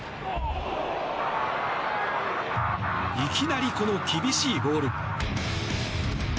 いきなり、この厳しいボール。